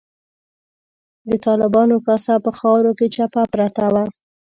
د طالبانو کاسه په خاورو کې چپه پرته وه.